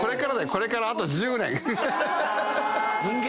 これからあと１０年。